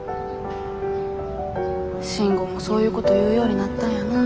慎吾もそういうこと言うようになったんやなって。